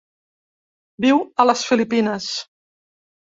Viu a les Filipines.